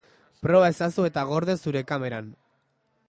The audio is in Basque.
Proba ezazu eta gorde zure kameran.